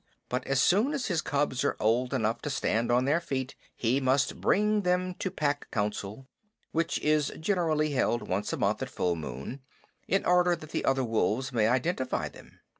But as soon as his cubs are old enough to stand on their feet he must bring them to the Pack Council, which is generally held once a month at full moon, in order that the other wolves may identify them.